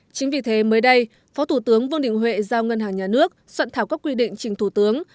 chính vì thế mới đây phó thủ tướng vương đình huệ giao ngân hàng nhà nước soạn thảo các quy định trình thủ tướng